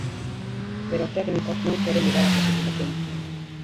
Pero o técnico non quere mirar a clasificación.